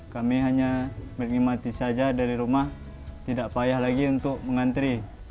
kami hanya menikmati saja dari rumah tidak payah lagi untuk mengantri